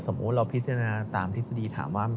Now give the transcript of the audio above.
สมมุติเราพิจารณาตามที่ดีตามว่า